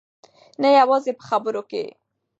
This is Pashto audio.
نه یوازې په خبرو کې.